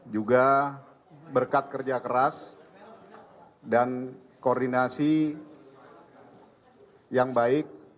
juga berkat kerja keras dan koordinasi yang baik